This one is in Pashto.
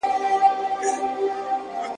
زه خالق یم را لېږلې زه مي زېری د یزدان یم ,